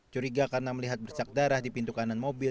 curiga karena melihat bercak darah di pintu kanan mobil